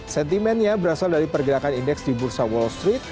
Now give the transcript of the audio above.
sentimennya berasal dari pergerakan indeks di bursa wall street